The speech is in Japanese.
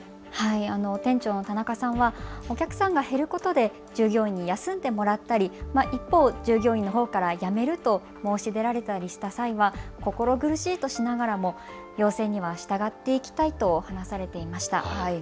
店長の田中さんはお客さんが減ることで従業員に休んでもらったり一方、従業員のほうから辞めると申し出が出たりした際には心苦しいとしながらも要請に従っていきたいと話されていました。